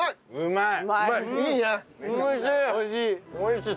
うまい！